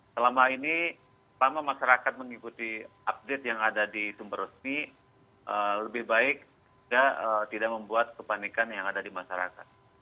selama ini selama masyarakat mengikuti update yang ada di sumber resmi lebih baik tidak membuat kepanikan yang ada di masyarakat